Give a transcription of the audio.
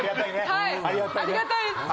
はいありがたいです。